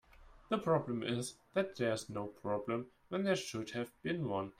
The problem is that there is no problem when there should have been one.